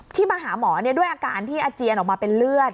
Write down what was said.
มาหาหมอด้วยอาการที่อาเจียนออกมาเป็นเลือด